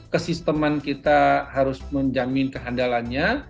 kesisteman kita harus menjamin kehandalannya